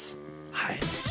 はい